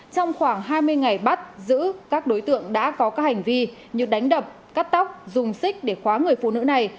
trong khoảng hai mươi ngày bắt giữ các đối tượng đã có các hành vi như đánh đập cắt tóc dùng xích để khóa người phụ nữ này